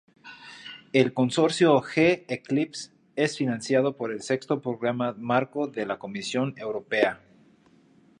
El consorcio g-Eclipse es financiado por el Sexto Programa Marco de la Comisión Europea.